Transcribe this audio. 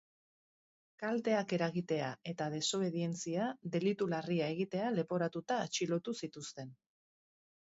Kalteak eragitea eta desobedientzia delitu larria egitea leporatuta atxilotu zituzten.